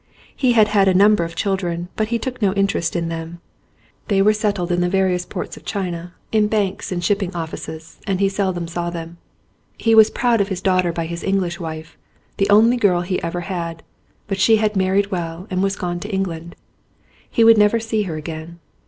He had had a number of children, but he took no interest in them; they were settled in the various ports of China, in banks and shipping 179 ON A CHINESE SCKEEN offices, and he seldom saw them. He was proud of his daughter by his English wife,, the only girl he ever had, but she had married well and was gone to England. He would never see her again.